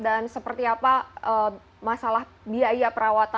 dan seperti apa masalah biaya perangkatnya